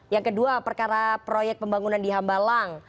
yang kedua perkara proyek pembangunan di hambalang